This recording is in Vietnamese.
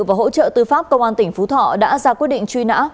và hỗ trợ tư pháp công an tỉnh phú thọ đã ra quyết định truy nã